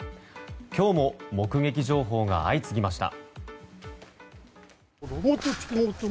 今日も目撃情報が相次ぎました。